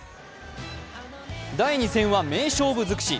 第２戦は名勝負尽くし。